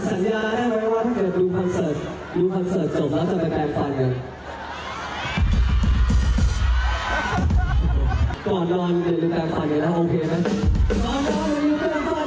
สัญญาได้ไหมว่าถ้าเกิดดูคอนเสิร์ต